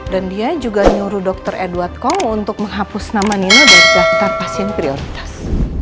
dan dia juga nyuruh dokter edward kong untuk menghapus nama nino dari daftar pasien prioritas